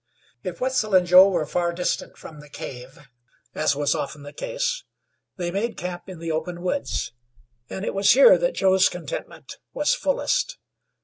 If Wetzel and Joe were far distant from the cave, as was often the case, they made camp in the open woods, and it was here that Joe's contentment was fullest.